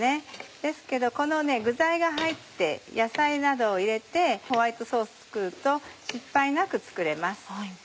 ですけどこの具材が入って野菜などを入れてホワイトソース作ると失敗なく作れます。